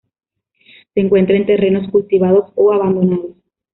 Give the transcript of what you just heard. Se encuentra en terrenos cultivados o abandonados.